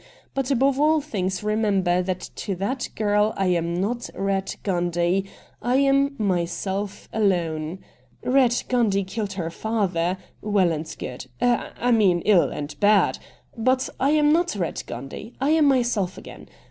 But above all things remember that to that girl I am not Ratt Gundy — I am myself alone. Ratt Gundy killed her father — well and good — I mean ill and bad — but I am not Ratt Gundy — I am myself again.